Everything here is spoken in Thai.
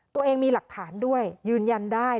ตัวเองมีหลักฐานด้วยยืนยันได้